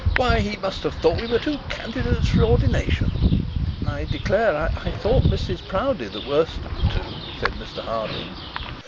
Why, he must have thought we were two candidates for ordination.' 'I declare I thought Mrs Proudie the worst of the two,' said Mr Harding.